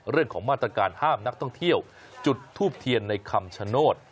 เรื่องของมาตรการห้ามนักท่องเที่ยวจุดทูบเทียนในคำชโนธ